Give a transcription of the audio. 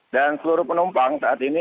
dan seluruh penumpang saat ini